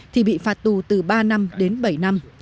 thì bị phạt tù từ ba năm đến bảy năm